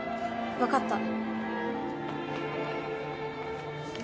わかった。